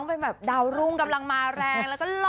เป็นแบบดาวรุ่งกำลังมาแรงแล้วก็หล่อ